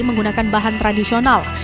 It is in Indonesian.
menggunakan bahan tradisional